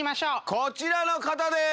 こちらの方です！